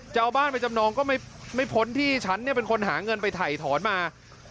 จะเอาบ้านไปจำนองก็ไม่พ้นที่ฉันเป็นคนหาเงินไปถ่ายถอนมา